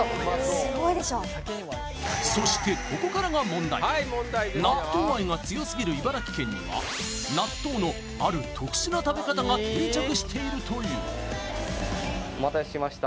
すごいでしょそして納豆愛が強すぎる茨城県には納豆のある特殊な食べ方が定着しているというはいきました